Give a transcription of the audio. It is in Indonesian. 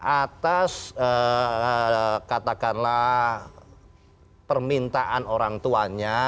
atas katakanlah permintaan orang tuanya